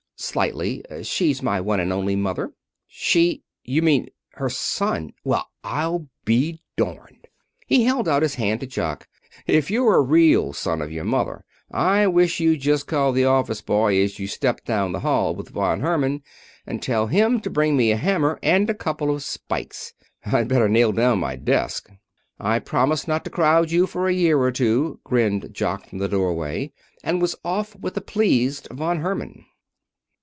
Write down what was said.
"Slightly. She's my one and only mother." "She you mean her son! Well I'll be darned!" He held out his hand to Jock. "If you're a real son of your mother I wish you'd just call the office boy as you step down the hall with Von Herman and tell him to bring me a hammer and a couple of spikes. I'd better nail down my desk." "I'll promise not to crowd you for a year or two," grinned Jock from the doorway, and was off with the pleased Von Herman.